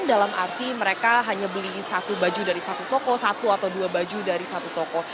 jadi mereka hanya beli satu baju dari satu toko satu atau dua baju dari satu toko